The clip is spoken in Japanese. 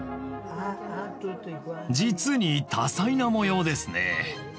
実に多彩な模様ですね！